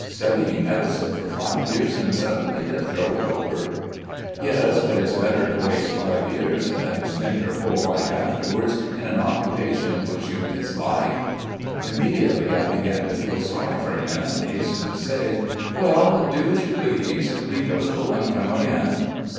Studying medicine for five years and suddenly to throw it over." "Yes, but it's better to waste five years than to spend your whole life afterwards in an occupation which you dislike." Immediately I begin to feel sorry for him and hasten to say: "Well, do as you please. Read a little and come again."